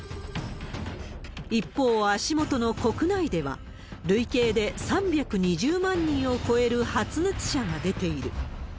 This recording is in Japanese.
一方、足元の国内では、累計で３２０万人を超える発熱者が出ている。